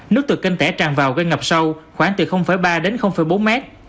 nước từ kênh tẻ tràn vào gây ngập sâu khoảng từ ba đến bốn mét